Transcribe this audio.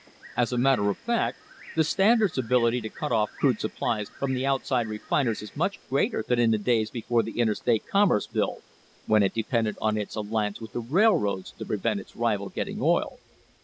As a matter of fact, the Stand ard's ability to cut off crude supplies from the outside refiners is much greater than in the days before the Interstate Com merce Bill, when it depended on its alliance with the railroads to prevent its rival getting oil.